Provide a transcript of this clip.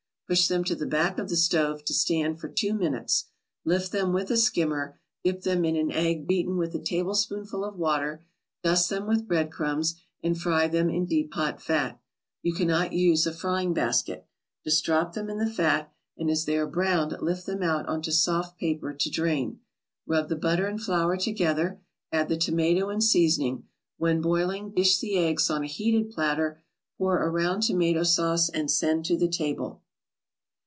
Push them to the back of the stove to stand for two minutes. Lift them with a skimmer, dip them in an egg beaten with a tablespoonful of water, dust them with bread crumbs and fry them in deep hot fat. You cannot use a frying basket. Just drop them in the fat, and as they are browned lift them out onto soft paper to drain. Rub the butter and flour together, add the tomato and seasoning; when boiling dish the eggs on a heated platter, pour around tomato sauce and send to the table.